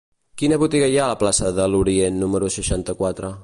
Quina botiga hi ha a la plaça de l'Orient número seixanta-quatre?